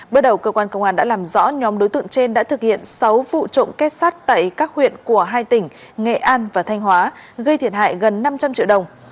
bước đầu cơ quan công an đã làm rõ nhóm đối tượng trên đã thực hiện sáu vụ trộm kết sắt tại các huyện của hai tỉnh nghệ an và thanh hóa gây thiệt hại gần năm trăm linh triệu đồng